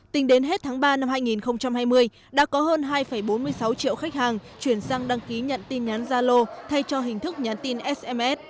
tính đến hết tháng ba năm hai nghìn hai mươi đã có hơn hai bốn mươi sáu triệu khách hàng chuyển sang đăng ký nhận tin nhắn gia lô thay cho hình thức nhắn tin sms